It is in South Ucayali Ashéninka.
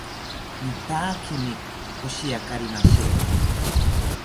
Mitaakimi poshiakari mashero